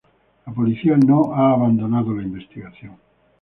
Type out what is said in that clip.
La policía no ha abandonado la investigación.